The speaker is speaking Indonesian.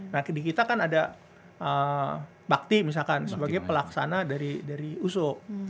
nah di kita kan ada bakti misalkan sebagai pelaksana dari uso